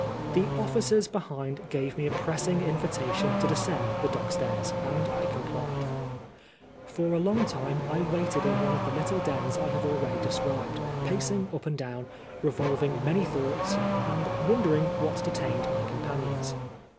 The officers behind gave me a pressing invitation to descend the dock stairs, and I complied. For a long time I waited in one of the little dens I have already described, pacing up and down, revolving many thoughts, and wondering what detained my companions.